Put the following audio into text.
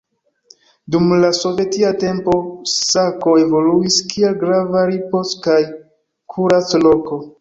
Dum la sovetia tempo Sako evoluis kiel grava ripoz- kaj kurac-loko.